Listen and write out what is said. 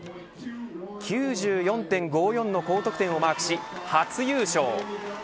９４．５４の高得点をマークし初優勝。